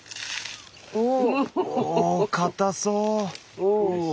おお固そう！